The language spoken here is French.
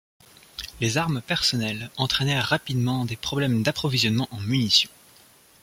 Les armes personnelles entraînèrent rapidement des problèmes d'approvisionnement en munitions.